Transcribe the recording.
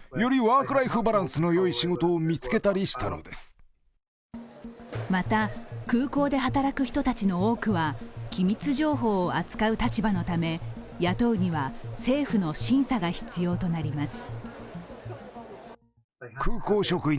専門家はまた空港で働く人たちの多くは機密情報を扱う立場のため、雇うには政府の審査が必要となります。